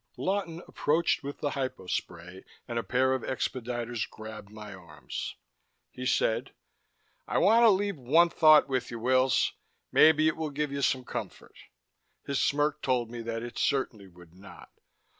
Lawton approached with the hypospray, and a pair of expediters grabbed my arms. He said: "I want to leave one thought with you, Wills. Maybe it will give you some comfort." His smirk told me that it certainly would not.